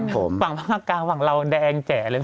ฝั่งภาคกลางฝั่งเราแดงแจ๋เลย